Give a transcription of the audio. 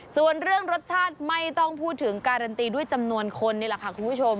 ส่วนเรื่องรสชาติไม่ต้องพูดถึงการันตีด้วยจำนวนคนนี่แหละค่ะคุณผู้ชม